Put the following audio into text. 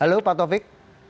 halo pak taufik